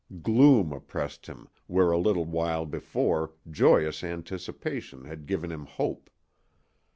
Gloom oppressed him where a little while before joyous anticipation had given him hope.